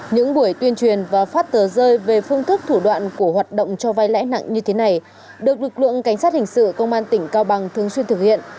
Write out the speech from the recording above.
những buổi tuyên truyền và phát tờ rơi về phương thức thủ đoạn của hoạt động cho vai lãi nặng như thế này được lực lượng cảnh sát hình sự công an tỉnh cao bằng thường xuyên thực hiện